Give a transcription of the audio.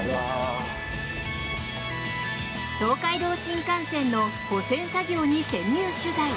東海道新幹線の保線作業に潜入取材。